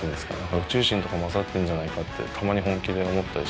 宇宙人とか混ざってんじゃないかってたまに本気で思ったりしますね。